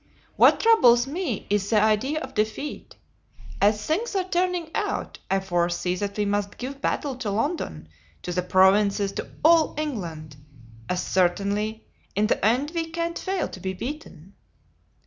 What troubles me is the idea of defeat. As things are turning out, I foresee that we must give battle to London, to the provinces, to all England, and certainly in the end we can't fail to be beaten."